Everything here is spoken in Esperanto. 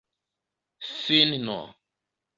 finno